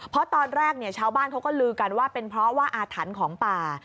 เพราะตอนแรกชาวบ้านเขาก็ลือกันว่าเป็นเพราะว่าอาถรรพ์ของป่า